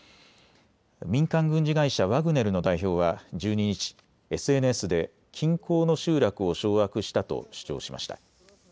民間軍事会社、ワグネルの代表は１２日、ＳＮＳで近郊の集落を掌握したと主張しました。